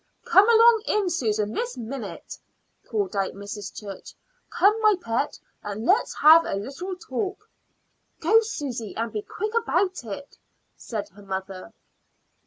"Come along in, Susan, this minute," called out Mrs. Church. "Come, my pet, and let's have a little talk." "Go, Susy, and be quick about it," said her mother.